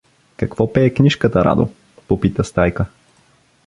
— Какво пее книжката, Радо? — попита Стайка.